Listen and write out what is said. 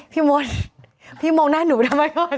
พี่มองพี่มองหน้านี่เมื่อก่อน